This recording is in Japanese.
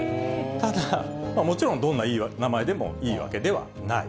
ただ、もちろんどんな名前でもいいわけではない。